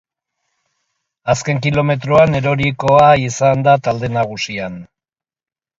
Azken kilometroan erorikoa izan da talde nagusian.